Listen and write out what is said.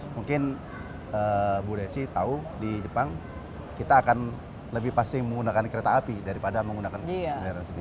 mungkin bu desi tahu di jepang kita akan lebih pasti menggunakan kereta api daripada menggunakan kendaraan sendiri